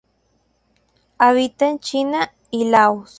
Habita en China y Laos.